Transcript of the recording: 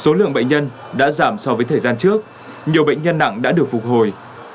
số lượng bệnh nhân đã giảm so với thời gian trước nhiều bệnh nhân nặng đã được phục hồi